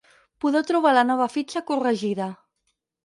Podeu trobar la nova fitxa corregida.